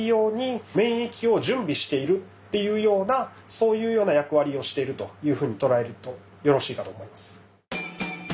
そういうような役割をしているというふうに捉えるとよろしいかと思います。